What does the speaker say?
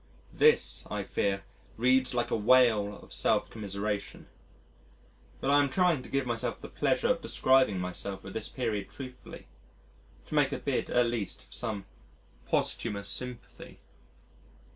This, I fear, reads like a wail of self commiseration. But I am trying to give myself the pleasure of describing myself at this period truthfully, to make a bid at least for some posthumous sympathy.